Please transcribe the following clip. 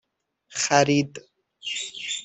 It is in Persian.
خرید